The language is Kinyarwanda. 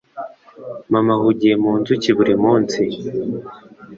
Mama ahugiye mu nzuki buri munsi.